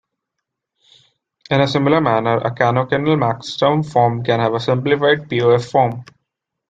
In a similar manner, a canonical maxterm form can have a simplified PoS form.